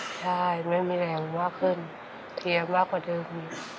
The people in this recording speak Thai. ใช่ไม่มีแรงมากขึ้นเกลียร์มากกว่าเดิม